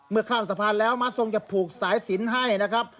ข้ามสะพานแล้วม้าทรงจะผูกสายสินให้นะครับ